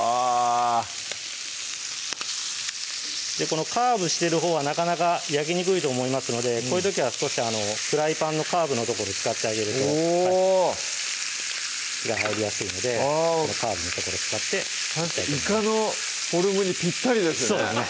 このカーブしてるほうはなかなか焼きにくいと思いますのでこういう時は少しフライパンのカーブの所使ってあげるとお火が入りやすいのでカーブの所使っていかのフォルムにぴったりですね